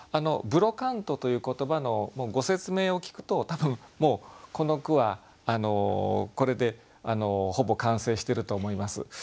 ブロカントという言葉のご説明を聞くと多分もうこの句はこれでほぼ完成してると思います。